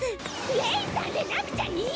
レイさんでなくちゃ嫌！